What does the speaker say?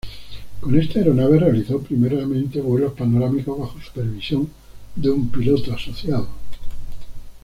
Con esta aeronave realizó primeramente vuelos panorámicos bajo supervisión de un piloto asociado.